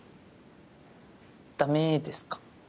ダメですか？